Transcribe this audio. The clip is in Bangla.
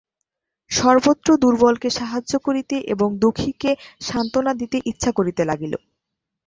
সর্বত্র দুর্বলকে সাহায্য করিতে এবং দুঃখীকে সান্ত্বনা দিতে ইচ্ছা করিতে লাগিল।